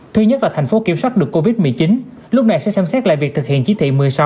thứ nhất là thành phố kiểm soát được covid một mươi chín lúc này sẽ xem xét lại việc thực hiện chỉ thị một mươi sáu